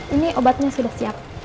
ini obatnya sudah siap